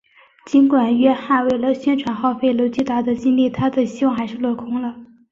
尽管约翰为了宣传耗费了巨大的精力他的希望还是落空了。